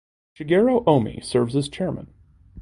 Shigeru Omi serves as chairman.